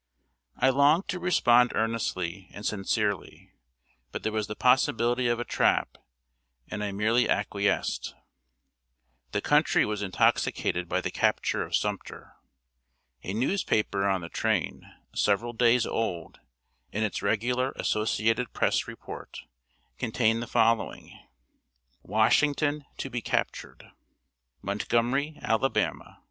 I longed to respond earnestly and sincerely, but there was the possibility of a trap, and I merely acquiesced. The country was intoxicated by the capture of Sumter. A newspaper on the train, several days old, in its regular Associated Press report, contained the following: [Sidenote: WASHINGTON TO BE CAPTURED.] MONTGOMERY, Ala.